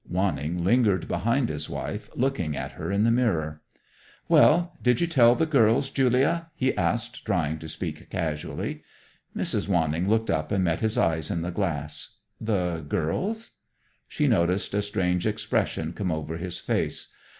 Wanning lingered behind his wife, looking at her in the mirror. "Well, did you tell the girls, Julia?" he asked, trying to speak casually. Mrs. Wanning looked up and met his eyes in the glass. "The girls?" She noticed a strange expression come over his face.